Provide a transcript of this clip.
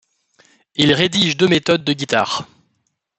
Il rédige deux méthodes de guitare.